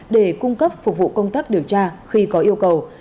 để cung cấp phục vụ công tác điều tra khi có yêu cầu